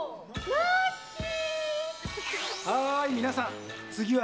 ラッキー！